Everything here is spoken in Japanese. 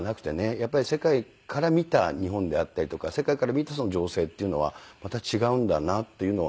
やっぱり世界から見た日本であったりとか世界から見た情勢っていうのはまた違うんだなっていうのは。